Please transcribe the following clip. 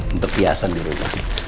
untuk hiasan di rumah